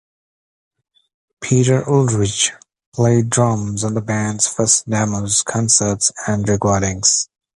Peter Ulrich played drums on the band's first demos, concerts and recordings.